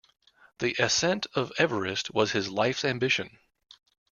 The ascent of Everest was his life's ambition